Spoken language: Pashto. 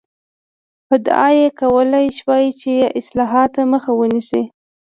ادعا یې کولای شوای چې اصلاحاتو مخه نیسي.